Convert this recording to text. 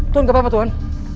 tuhan gak apa apa tuhan